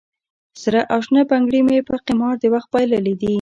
سره او شنه بنګړي مې په قمار د وخت بایللې دي